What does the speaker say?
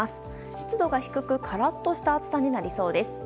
湿度が低くカラッとした暑さになりそうです。